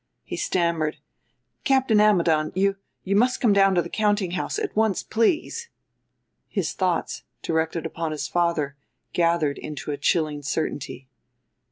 He stammered: "Captain Ammidon, you you must come down to the countinghouse. At once, please!" His thoughts, directed upon his father, gathered into a chilling certainty.